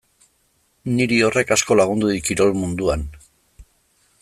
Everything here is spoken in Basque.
Niri horrek asko lagundu dit kirol munduan.